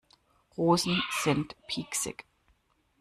Rosen sind pieksig.